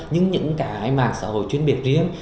nhưng những cái mạng xã hội chuyên biệt riêng